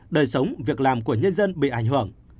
đời sống việc làm của nhân dân bị ảnh hưởng